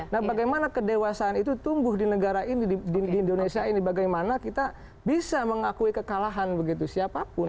nah bagaimana kedewasaan itu tumbuh di negara ini di indonesia ini bagaimana kita bisa mengakui kekalahan begitu siapapun